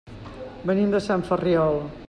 Venim de Sant Ferriol.